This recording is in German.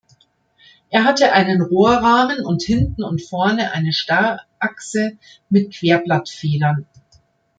Er hatte einen Rohrrahmen und hinten und vorne eine Starrachse mit Querblattfedern.